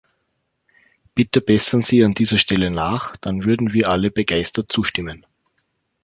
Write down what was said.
Bitte bessern Sie an dieser Stelle nach, dann würden wir alle begeistert zustimmen.